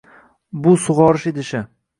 Bu sug'orish idishi